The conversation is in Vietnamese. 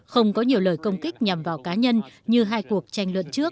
không có nhiều lời công kích nhằm vào cá nhân như hai cuộc tranh luận trước